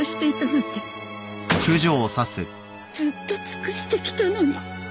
ずっと尽くしてきたのに。